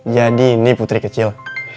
jadi ini putri kecil